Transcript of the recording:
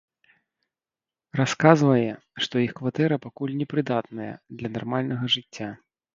Расказвае, што іх кватэра пакуль не прыдатная для нармальнага жыцця.